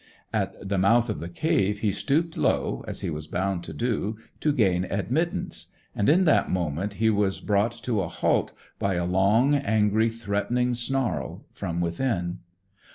At the mouth of the cave he stooped low, as he was bound to do, to gain admittance, and in that moment he was brought to a halt by a long, angry, threatening snarl from within.